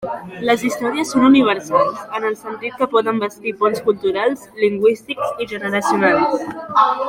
Les històries són universals, en el sentit que poden bastir ponts culturals, lingüístics i generacionals.